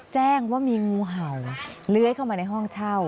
แจ้งว่ามีงูเห่าเลื้อยเข้ามาในห้องเช่า